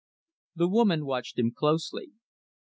The woman watched him closely.